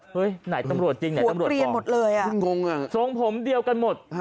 เฮ้ยไหนตำรวจจริงไหนตำรวจเปล่าส่งผมเดียวกันหมด